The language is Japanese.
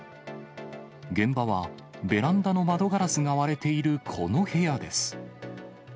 現場はベランダの窓ガラスが割れているこの部屋です。